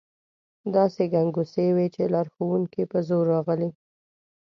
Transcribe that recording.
داسې ګنګوسې وې چې لارښوونکي په زور راغلي.